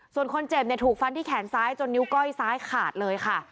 ส่วนคนเจ็บเนี่ยถูกฟันที่แขนซ้ายจนนิ้วก้อยซ้ายขาดเลยค่ะ